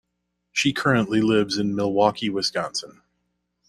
She currently lives in Milwaukee, Wisconsin.